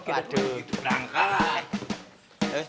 aduh gitu berangkat